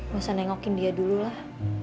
gak usah nengokin dia dulu lah